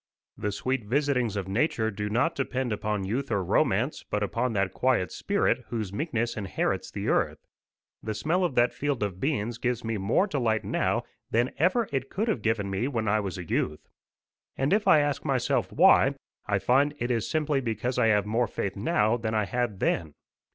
The sweet visitings of nature do not depend upon youth or romance, but upon that quiet spirit whose meekness inherits the earth. The smell of that field of beans gives me more delight now than ever it could have given me when I was a youth. And if I ask myself why I find it is simply because I have more faith now than I had then.